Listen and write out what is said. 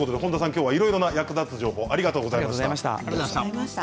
今日はいろいろな役立つ情報ありがとうございました。